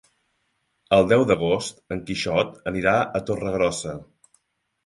El deu d'agost en Quixot anirà a Torregrossa.